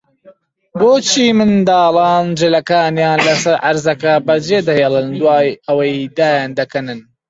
بۆچی منداڵان جلەکانیان لەسەر عەرزەکە بەجێدەهێڵن، دوای ئەوەی دایاندەکەنن؟